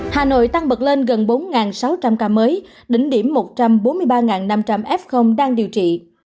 hà nội tăng bật lên gần bốn sáu trăm linh ca mới đỉnh điểm một trăm bốn mươi ba năm trăm linh f đang điều trị